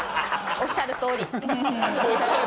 おっしゃるとおり。